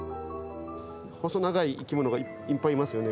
細長い生き物がいっぱいいますよね。